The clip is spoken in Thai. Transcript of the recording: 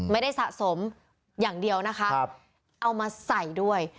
สะสมอย่างเดียวนะคะเอามาใส่ด้วย